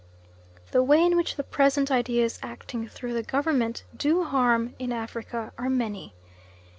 The way in which the present ideas acting through the Government do harm in Africa are many.